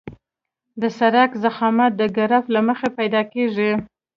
د سرک ضخامت د ګراف له مخې پیدا کیږي